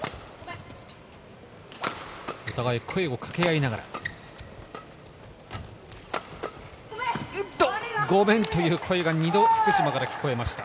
お互い声をかけ合いながら、ごめんという声が２度、福島から聞こえました。